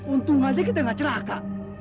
untung aja kita nggak ceraka